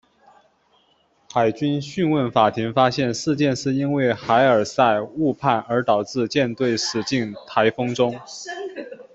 海军讯问法庭发现事件是因为海尔赛误判而导致舰队驶进台风中。